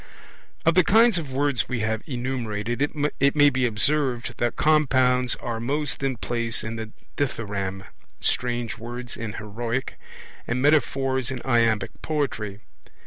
Of the kinds of words we have enumerated it may be observed that compounds are most in place in the dithyramb, strange words in heroic, and metaphors in iambic poetry.